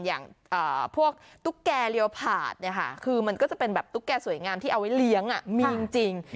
อย่างพวกตุ๊กแก่เรียวผาดเนี่ยค่ะคือมันก็จะเป็นแบบตุ๊กแก่สวยงามที่เอาไว้เลี้ยงมีจริง